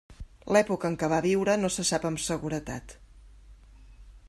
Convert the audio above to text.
L'època en què va viure no se sap amb seguretat.